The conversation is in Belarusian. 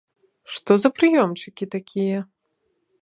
Што за прыёмчыкі такія?